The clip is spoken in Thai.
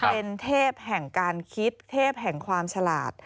เป็นเทพแห่งการคิดเทพแห่งความฉลาด